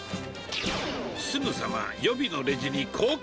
すぐさま予備のレジに交換。